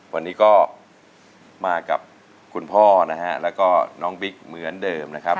วันนี้ก็มากับคุณพ่อนะฮะแล้วก็น้องบิ๊กเหมือนเดิมนะครับ